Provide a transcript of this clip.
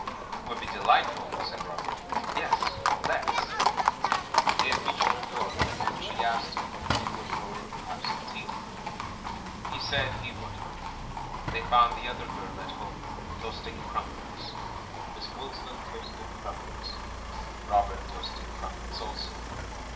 "It would be delightful I" said Robert "Yes, let's 1" They had reached her door, and she asked him if he would go in and have some tea. He said he 406 THE MAN WHO UNDERSTOOD WOMEN would. They found the other girl at home, toast ing crumpets. Miss Wilson toasted crumpets. Robert toasted crumpets also.